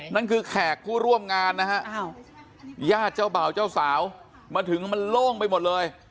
นั่นคือแขกผู้ร่วมงานนะฮะญาติเจ้าบ่าวเจ้าสาวมาถึงมันโล่งไปหมดเลย